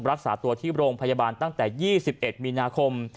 รักษาตัวที่โรงพยาบาลตั้งแต่๒๑มีนาคม